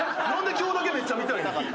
なんで今日だけめっちゃ見たいねん？